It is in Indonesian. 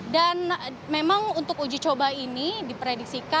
dan memang untuk uji coba ini diprediksikan